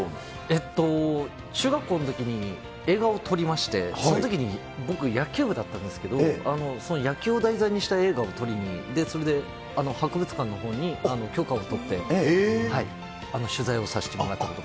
えっと、中学校のときに映画を撮りまして、そのときに僕、野球部だったんですけど、その野球を題材にした映画を撮りに、それで博物館のほうに許可を取って取材をさせてもらったことが。